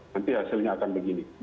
nanti hasilnya akan begini